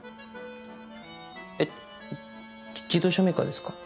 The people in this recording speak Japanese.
えっ自動車メーカーですか？